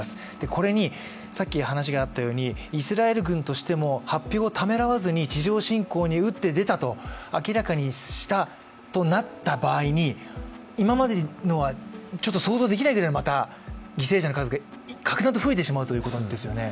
これにイスラエル軍としても発表をためらわずに地上侵攻に打って出たと明らかにした場合に、今までのとはちょっと想像できないぐらいまた犠牲者の数が格段と増えてしまうということですよね。